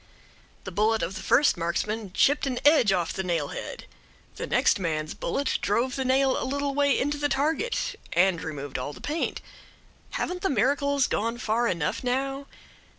The bullet of the first marksman chipped an edge off the nail head; the next man's bullet drove the nail a little way into the target and removed all the paint. Haven't the miracles gone far enough now?